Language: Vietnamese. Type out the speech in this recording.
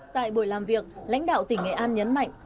tại buổi làm việc lãnh đạo tỉnh nghệ an nhấn mạnh